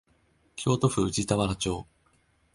京都府宇治田原町